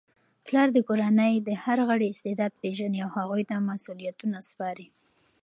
پلار د کورنی د هر غړي استعداد پیژني او هغوی ته مسؤلیتونه سپاري.